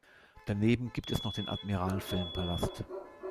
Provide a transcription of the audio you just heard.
Daneben gibt es noch den Admiral Filmpalast.